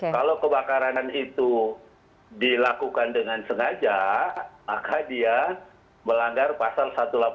kalau kebakaran itu dilakukan dengan sengaja maka dia melanggar pasal satu ratus delapan puluh